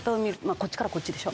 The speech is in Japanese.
こっちからこっちでしょ？